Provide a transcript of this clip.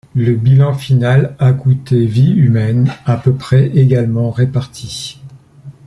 Le bilan final a coûté vies humaines, à peu près également réparties.